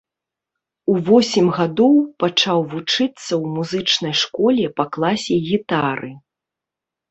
У восем гадоў пачаў вучыцца ў музычнай школе па класе гітары.